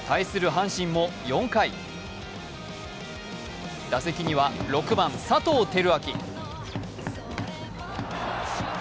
阪神も４回打席には６番・佐藤輝明。